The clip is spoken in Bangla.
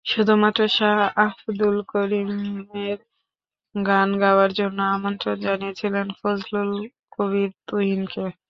শুধুমাত্র শাহ আবদুল করিমের গান গাওয়ার জন্য আমন্ত্রণ জানিয়েছিলাম ফজলুল কবির তুহিনকে।